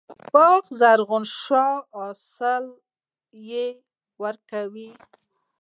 باغ زرغون شو او حاصل یې ورکړ.